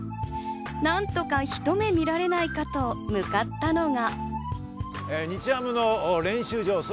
何とか一目見られないかと向かったのが。